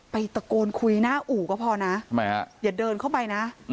ตะโกนคุยหน้าอู่ก็พอนะอย่าเดินเข้าไปนะ